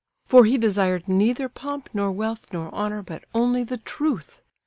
For he desired neither pomp nor wealth nor honour, but only the truth!